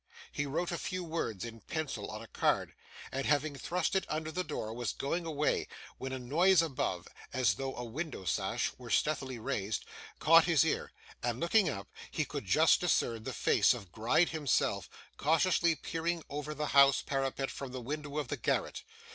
He wrote a few words in pencil on a card, and having thrust it under the door was going away, when a noise above, as though a window sash were stealthily raised, caught his ear, and looking up he could just discern the face of Gride himself, cautiously peering over the house parapet from the window of the garret.